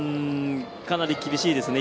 かなり厳しいですね。